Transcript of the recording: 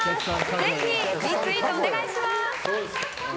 ぜひリツイートお願いします。